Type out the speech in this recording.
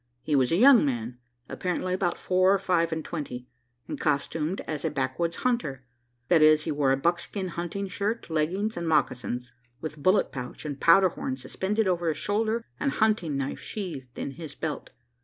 He was a young man apparently about four or five and twenty and costumed as a backwoods hunter; that is, he wore a buckskin hunting shirt, leggings, and mocassins with bullet pouch and powder horn suspended over his shoulder, and hunting knife sheathed in his belt.